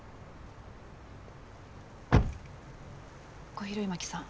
小比類巻さん